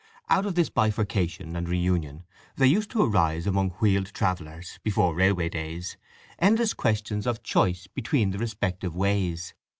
Out of this bifurcation and reunion there used to arise among wheeled travellers, before railway days, endless questions of choice between the respective ways.